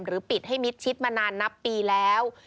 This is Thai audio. ปิดให้มิดชิดมานานนับปีแล้ว